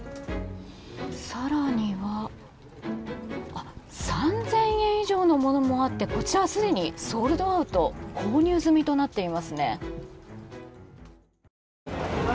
更には３０００円以上のものもあってこちらはすでにソールドアウト購入済みとなっていますね。